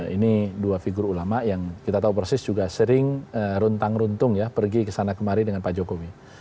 ini dua figur ulama yang kita tahu persis juga sering runtang runtung ya pergi kesana kemari dengan pak jokowi